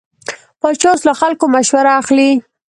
پاچا اوس له خلکو مشوره اخلي.